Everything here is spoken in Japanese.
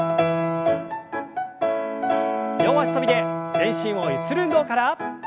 両脚跳びで全身をゆする運動から。